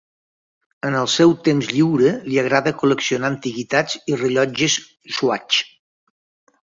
En el seu temps lliure, li agrada col·leccionar antiguitats i rellotges Swatch.